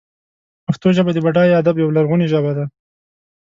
پښتو ژبه د بډای ادب یوه لرغونې ژبه ده.